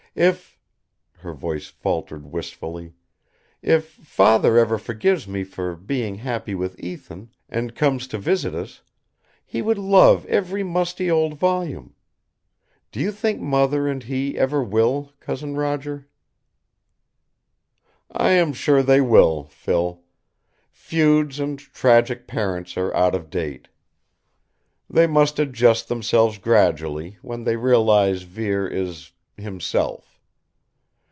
If," her voice faltered wistfully, "if Father ever forgives me for being happy with Ethan, and comes to visit us, he would love every musty old volume. Do you think Mother and he ever will, Cousin Roger?" "I am sure they will, Phil. Feuds and tragic parents are out of date. They must adjust themselves gradually when they realize Vere is himself.